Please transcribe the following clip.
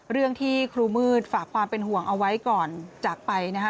เรื่องที่ครูมืดฝากความเป็นห่วงเอาไว้ก่อนจากไปนะคะ